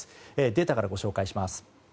データからご紹介します。